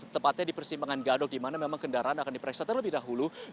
tepatnya di persimpangan gadok di mana memang kendaraan akan diperiksa terlebih dahulu